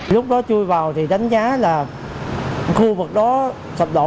lúc đó chui vào thì đánh giá là khu vực đó sập đổ